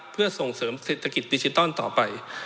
เพื่อส่งเสริมเศรษฐกิจดิจิตอลต่อไป